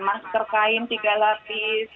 masker kain tiga lapis